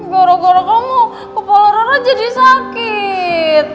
goro goro kamu kepala ra ra jadi sakit